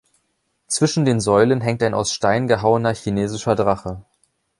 Zwischen den Säulen hängt ein aus Stein gehauener chinesischer Drache.